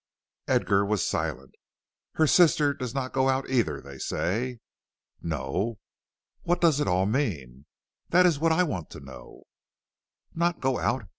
Edgar was silent. "Her sister does not go out, either, they say." "No? What does it all mean?" "That is what I want to know." "Not go out?